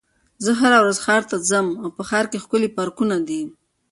زه هره ورځ ښار ته ځم او په ښار کې ښکلي پارکونه دي.